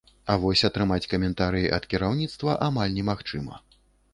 А вось атрымаць каментарый ад кіраўніцтва амаль немагчыма.